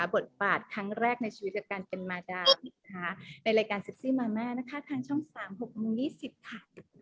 บทปาดครั้งแรกในชีวิตกับการเป็นมาดาวน์ค่ะในรายการเซ็กซี่มาม่านะคะทางช่องสามหกมือนี่สิบค่ะ